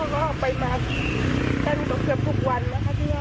ก็ไปมาแค่วันออกเกือบทุกวันนะคะ